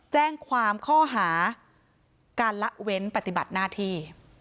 แจ้งความข้อหาการละเว้นปฏิบัติหน้าที่